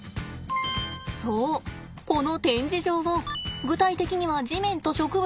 そうこの展示場を具体的には地面と植物を変えたんです。